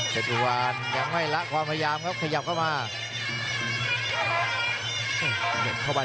เผ็ดผู้ผ่านยังไม่ละความพยายามเขาขยับเข้ามา